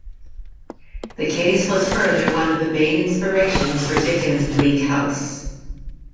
The case was further one of the main inspirations for Dickens' Bleak House.